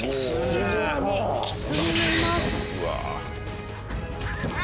地上にキツネがいます。